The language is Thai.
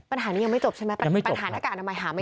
ปัญหานี้ยังไม่จบใช่ไหมปัญหาหน้ากากอนามัยหาไม่